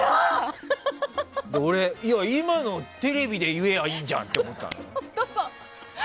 俺、今のテレビで言えばいいじゃんって思ったのよ。